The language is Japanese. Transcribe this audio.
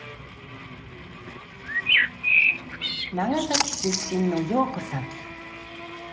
長崎出身の謡子さん